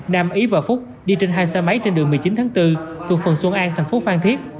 nam ý và phúc đi trên hai xe máy trên đường một mươi chín tháng bốn thuộc phường xuân an thành phố phan thiết